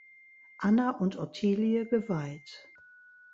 Anna und Ottilie geweiht.